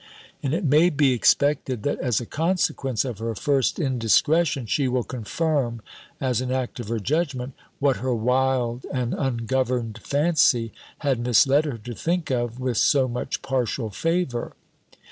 And it may be expected, that as a consequence of her first indiscretion, she will confirm, as an act of her judgment, what her wild and ungoverned fancy had misled her to think of with so much partial favour.